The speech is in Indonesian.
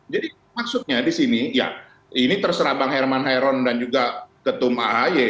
jadi maksudnya di sini ini terserah bang herman heron dan juga ketum ahy